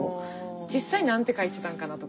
実際何て書いてたんかなとか。